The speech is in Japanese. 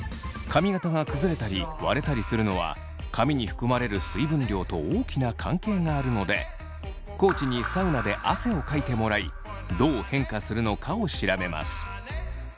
髪形が崩れたり割れたりするのは髪に含まれる水分量と大きな関係があるので地にサウナで汗をかいてもらいどう変化するのかを調べます。